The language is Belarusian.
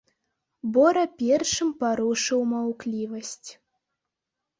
Бора першым парушыў маўклівасць.